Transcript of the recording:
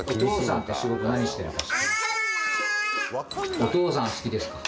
お父さん好きですか？